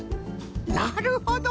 なるほど！